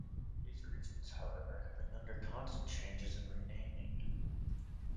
These regions, however, have been under constant changes and renaming.